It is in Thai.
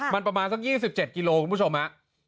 มันประมาณสัก๒๗กิโลคุณผู้ชมฮะ